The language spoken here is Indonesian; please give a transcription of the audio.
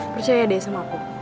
percaya deh sama aku